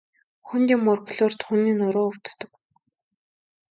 Хүнд юм өргөхлөөр түүний нуруу өвддөг.